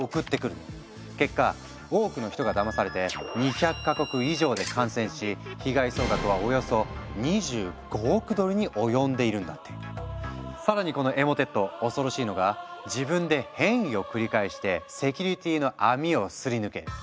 結果多くの人がだまされて２００か国以上で感染し被害総額はおよそ更にこのエモテット恐ろしいのが自分で変異を繰り返してセキュリティの網をすり抜ける。